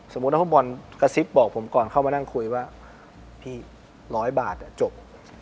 สมมุติถ้าผู้บอลกระซิบบอกผมก่อนเข้ามานั่งคุยว่าพี่๑๐๐บาทจบ